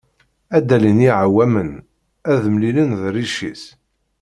Ad d-alin yiɛewwamen, ad d-mlilen d rric-is.